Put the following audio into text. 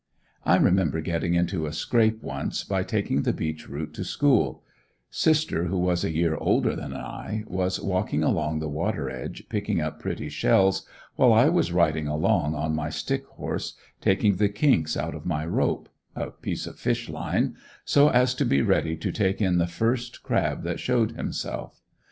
I remember getting into a scrape once by taking the beach route to school; sister who was a year older than I, was walking along the water edge picking up pretty shells while I was riding along on my stick horse taking the kinks out of my rope a piece of fishline so as to be ready to take in the first crab that showed himself.